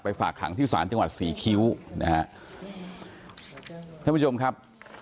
ฝากขังที่ศาลจังหวัดศรีคิ้วนะฮะท่านผู้ชมครับ